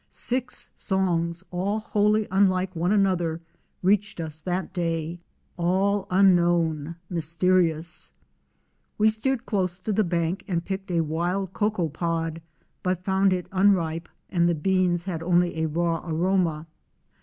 Six songs, all wholly unlike one another, reached us that day, all unknown, mysterious. We steered close to the bank and picked a wild cocoa pod but found it unripe and the beans had only a raw aroma.